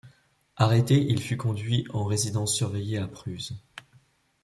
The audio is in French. Arrêté, il fut conduit en résidence surveillée à Pruse.